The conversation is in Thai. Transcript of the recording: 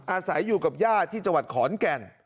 อาศัยอยู่กับย่าที่จขอนแก่น